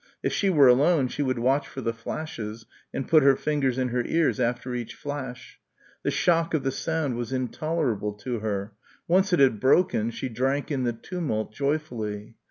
If she were alone she would watch for the flashes and put her fingers in her ears after each flash. The shock of the sound was intolerable to her. Once it had broken, she drank in the tumult joyfully.